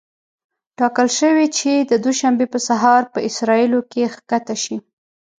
ټاکل شوې چې د دوشنبې په سهار په اسرائیلو کې ښکته شي.